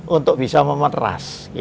untuk bisa memeras